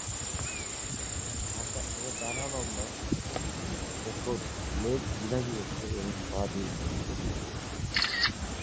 এদের ডানা লম্বা ও সরু, লেজ দ্বিধাবিভক্ত এবং পা দুর্বল।